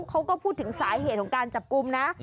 เขาก็พูดถึงสาเหตุของการจับกลุ่มนะ